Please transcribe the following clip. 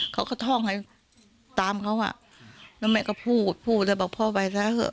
เขามีตัวทองให้ตามเขาแล้วแม่ก็พูดพูดแล้วบอกพ่อไปซะเถอะ